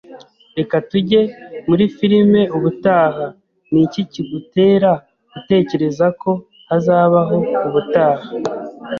"Reka tujye muri firime ubutaha." "Ni iki kigutera gutekereza ko hazabaho ubutaha?"